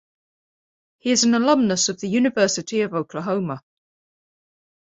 He is an alumnus of The University of Oklahoma.